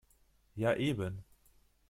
Ja, eben.